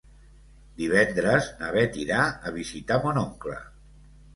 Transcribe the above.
Divendres na Bet irà a visitar mon oncle.